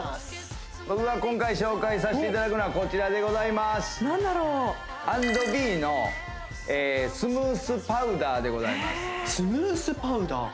僕が今回紹介させていただくのはこちらでございます＆ｂｅのスムースパウダーでございますスムースパウダー？